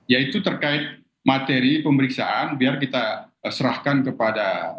yaitu terkait materi pemeriksaan biar kita serahkan kepada